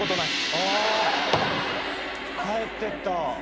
あ帰ってった。